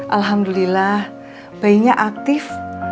alhamdulillah bayinya aktif